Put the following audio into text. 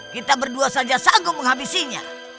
kita berdua saja sagu menghabisinya